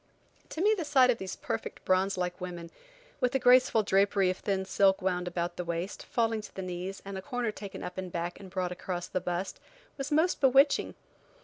To me the sight of these perfect, bronze like women, with a graceful drapery of thin silk wound about the waist, falling to the knees, and a corner taken up the back and brought across the bust, was most bewitching.